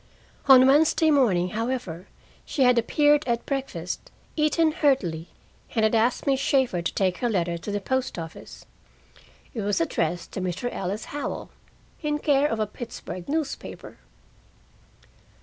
On Wednesday morning, however, she had appeared at breakfast, eaten heartily, and had asked Miss Shaeffer to take her letter to the post office. It was addressed to Mr. Ellis Howell, in care of a Pittsburgh newspaper!